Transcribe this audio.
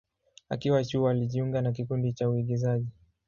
Akiwa chuo, alijiunga na kikundi cha uigizaji.